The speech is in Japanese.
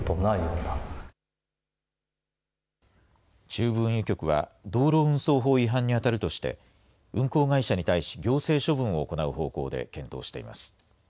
中部運輸局は、道路運送法違反に当たるとして、運行会社に対し行政処分を行う方向で検討しています。